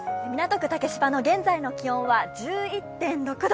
港区竹芝の現在の気温は１１．６度。